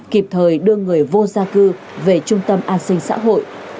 kịp thời đưa người vô gia cư về trung tâm an sinh xã hội